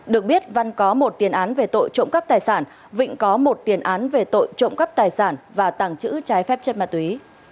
được biết văn có một tiền án về tội trộm cắp tài sản vịnh có một tiền án về tội trộm cắp tài sản và tàng trữ trái phép chất ma túy